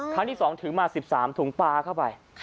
ครั้งที่๒ถือมา๑๓ถุงปลาเข้าไป